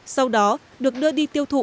sau đó được đưa đi tiêu thụ